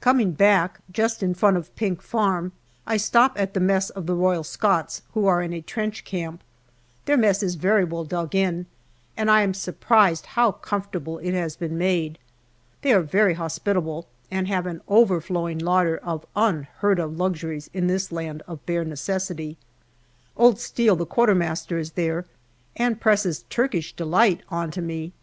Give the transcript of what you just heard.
Coming back, just in front of Pink Farm I stop at the mess of the Royal Scots, who are in a trench camp. Their mess is very well dug in, and I am surprised how comfort able it has been made. They are very hospitable, and have an overflowing larder of unheard of luxuries in this land of bare necessity. Old Steel, the Q.M., is there, and presses " Turkish delight " on to me.